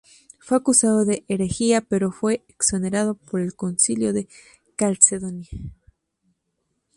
Fue acusado de herejía pero fue exonerado por el Concilio de Calcedonia.